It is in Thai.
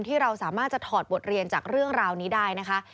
ที่เราสามารถจะถอดบทเรียนจากเรื่องราวนี้ได้นะคะ